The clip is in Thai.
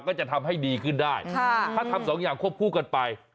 ก็จะทำให้ดีขึ้นได้ถ้าทำสองอย่างควบคู่กันไป